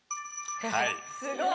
すごい。